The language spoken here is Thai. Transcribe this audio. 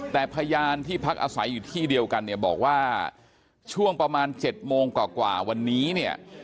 แต่พยานที่พักอาศัยอยู่ที่เดียวกันเนี่ยบอกว่าช่วงประมาณ๗โมงกว่าวันนี้เนี่ย